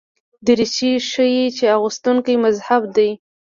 دریشي ښيي چې اغوستونکی مهذب دی.